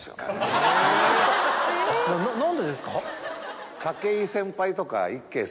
何でですか？